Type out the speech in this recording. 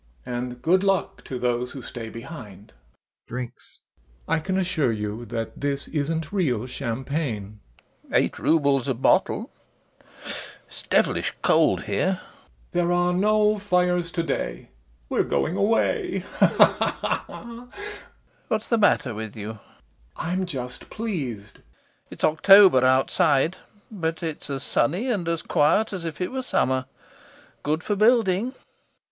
And good luck to those who stay behind! [Drinks] I can assure you that this isn't real champagne. LOPAKHIN. Eight roubles a bottle. It's devilish cold here. YASHA. There are no fires to day, we're going away. LOPAKHIN. What's the matter with you? YASHA. I'm just pleased. LOPAKHIN. It's October outside, but it's as sunny and as quiet as if it were summer. Good for building.